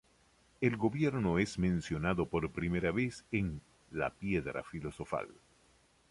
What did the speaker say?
El gobierno es mencionado por primera vez en "la piedra filosofal".